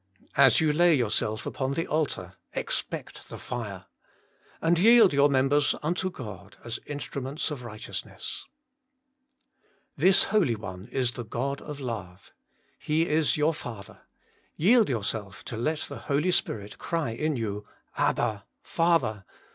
As you lay yourself upon the altar, expect the fire. 'And yield your members unto God as instru ments of Righteousness.' 3. This Holy One is the God of Loue. He is your Father ; yield yourself to let the Holy Spirit cry in you, Abba Father!